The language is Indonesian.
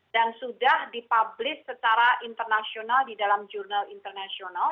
dan sudah dipublis secara internasional di dalam jurnal internasional